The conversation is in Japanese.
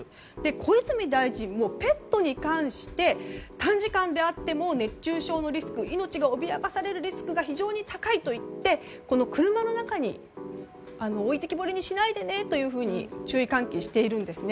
小泉大臣も、ペットに関して短時間であっても熱中症のリスク命が脅かされるリスクが非常に高いと言って車の中に置いてけぼりにしないでねと注意喚起しているんですね。